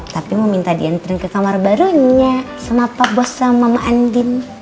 tapi mau minta diantren ke kamar barunya sama pa bos sama mama andin